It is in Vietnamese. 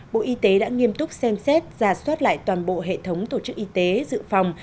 bộ y tế đã nghiêm túc xem xét giả soát lại toàn bộ hệ thống tổ chức y tế dự phòng